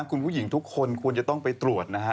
คุณผู้หญิงทุกคนควรจะต้องไปตรวจนะฮะ